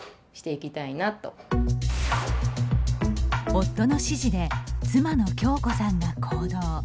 夫の指示で妻の恭子さんが行動。